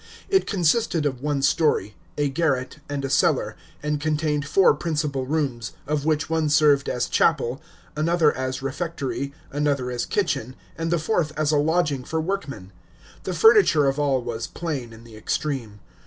It consisted of one story, a garret, and a cellar, and contained four principal rooms, of which one served as chapel, another as refectory, another as kitchen, and the fourth as a lodging for workmen. The furniture of all was plain in the extreme.